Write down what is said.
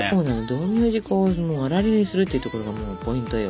道明寺粉をあられにするっていうところがもうポイントよ。